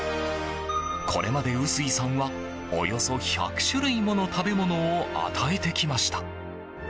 これまで臼井さんはおよそ１００種類もの食べ物を与えてきました。